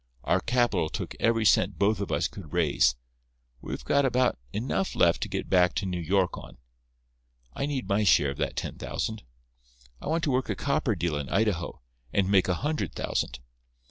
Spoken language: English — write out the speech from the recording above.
Our capital took every cent both of us could raise. We've got about enough left to get back to New York on. I need my share of that ten thousand. I want to work a copper deal in Idaho, and make a hundred thousand.